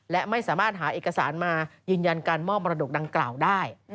และไม่สามารถหาเอกสารมายืนยันการมอบมรดกดังกล่าวได้